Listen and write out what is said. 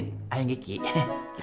udah saya kenyal saya kenyal